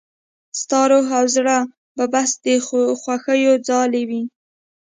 ستا روح او زړه به بس د خوښيو ځالې وي.